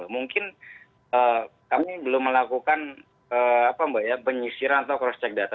mungkin kami belum melakukan penyisiran atau cross check data